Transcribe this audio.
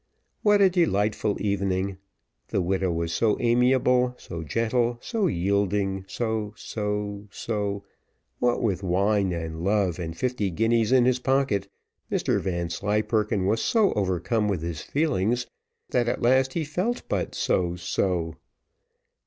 What a delightful evening! The widow was so amiable, so gentle, so yielding, so, so, so what with wine and love, and fifty guineas in his pocket, Mr Vanslyperken was so overcome with his feelings, that at last he felt but so so.